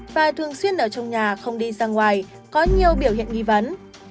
và thường xuyên ở trong nhà không đi ra ngoài có nhiều biểu hiện nghi vấn